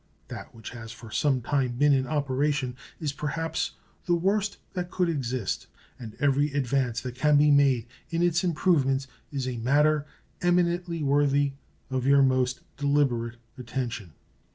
That which has for some time been in operation is, perhaps, the worst that could exist, and every advance that can be made in its improvement is a matter eminently worthy of your most deliberate attention.